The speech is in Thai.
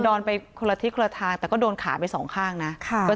จนใดเจ้าของร้านเบียร์ยิงใส่หลายนัดเลยค่ะ